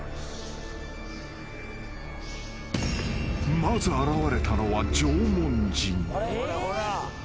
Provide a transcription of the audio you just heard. ［まず現れたのは縄文人］